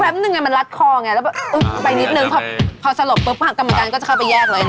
บางทีมันล็อคไงแล้วมันตกโกน